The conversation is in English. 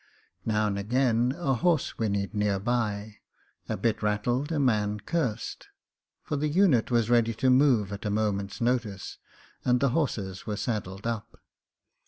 Now and again a horse whinnied near by ; a bit rattled, a man cursed ; for the unit was ready to move at a moment's notice and the horses were saddled up.